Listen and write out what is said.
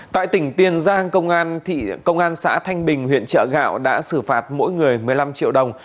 tại tỉnh tiền giang công an xã thanh bình huyện trợ gạo đã xử phạt mỗi người một mươi năm triệu đồng